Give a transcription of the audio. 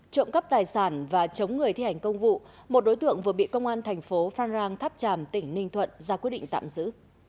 trộm cắp tài sản và chống người thi hành công vụ một đối tượng vừa bị công an thành phố phan rang tháp tràm tỉnh ninh thuận ra quyết định tạm giữ